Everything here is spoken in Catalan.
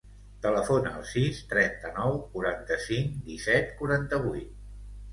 Telefona al sis, trenta-nou, quaranta-cinc, disset, quaranta-vuit.